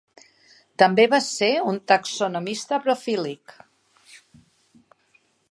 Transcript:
També va ser un taxonomista prolífic.